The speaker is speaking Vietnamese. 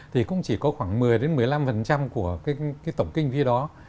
thì cũng chỉ có khoảng một mươi một mươi năm của tổng kinh phí đó